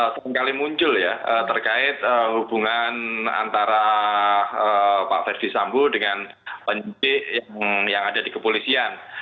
seringkali muncul ya terkait hubungan antara pak verdi sambo dengan penyidik yang ada di kepolisian